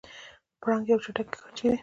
پړانګ یو چټک ښکارچی دی.